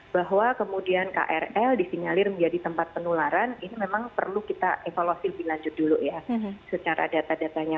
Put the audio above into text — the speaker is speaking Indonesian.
bahwa kemudian krl disinyalir menjadi tempat penularan ini memang perlu kita evaluasi lebih lanjut dulu ya secara data datanya